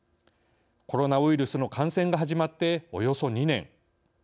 コロナウイルスの感染が始まっておよそ２年。